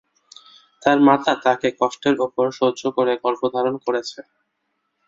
তার মাতা তাকে কষ্টের উপর সহ্য করে গর্ভধারণ করেছে।